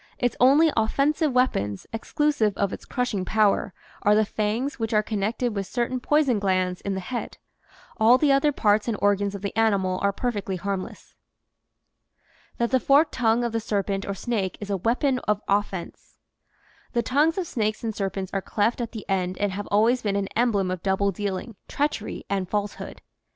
Its only offensive weapons (exclusive of its crushing power) are the fangs which are connected with certain poison glands in the head. All the other parts and organs of the animal are perfectly harmless. THAT THE FORKED TONGUE OF THE SERPENT OR SNAKE IS A WEAPON OF OFFENSE HE tongues of snakes and serpents are cleft at the end and have always been an emblem of double dealing, treachery, and falsehood.